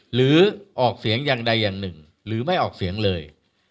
หรือออกเสียงอย่างใดอย่างหนึ่งหรือไม่ออกเสียงเลย